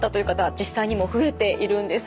実際にも増えているんです。